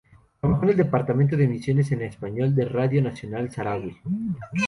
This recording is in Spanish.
Trabajó en el departamento de emisiones en español de Radio Nacional Saharaui.